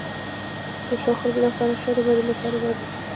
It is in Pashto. د ښو خلکو لپاره ښه، د بدو لپاره باید سپي وساتل شي.